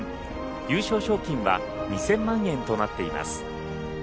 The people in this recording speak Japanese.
優勝賞金は２０００万円となっています。